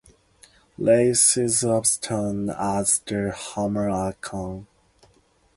"Races of Stone" adds the Hammer Archon.